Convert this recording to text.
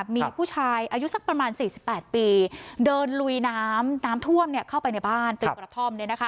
มีผู้ชายอายุสักประมาณ๔๘ปีเดินลุยน้ำน้ำท่วมเข้าไปในบ้านตึกกระท่อม